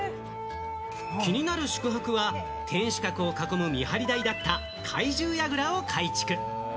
気になる宿泊は天守閣を囲む見張り台だった懐柔櫓を改築。